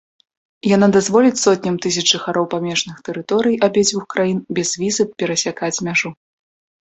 Яна дазволіць сотням тысяч жыхароў памежных тэрыторый абедзвюх краін без візы перасякаць мяжу.